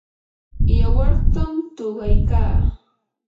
yawartam tuqaykaa.